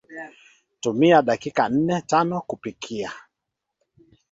Tumia dakika nnetanokupika